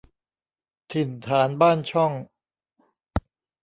ถิ่นฐานบ้านช่อง